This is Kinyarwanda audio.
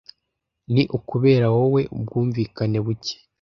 ni ukubera wowe ubwumvikane buke